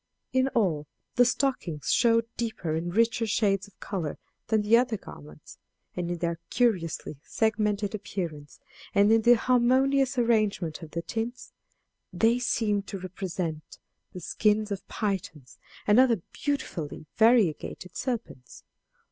In all, the stockings showed deeper and richer shades of color than the other garments; and in their curiously segmented appearance, and in the harmonious arrangement of the tints, they seemed to represent the skins of pythons and other beautifully variegated serpents.